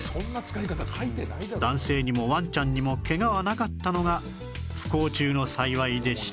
男性にもワンちゃんにもケガはなかったのが不幸中の幸いでした